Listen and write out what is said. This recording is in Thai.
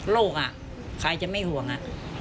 ลูกอ่ะใครจะไม่ห่วงอ่ะ